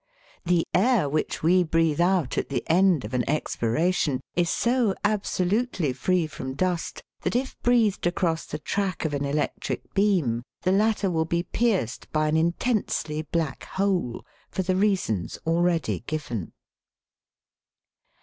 The air which we breathe out at the end of an expiration is so absolutely free from dust, that, if breathed across the track of an electric beam, the latter will be pierced by an intensely black hole, for the reasons already given.